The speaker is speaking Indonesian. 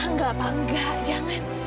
enggak pak enggak jangan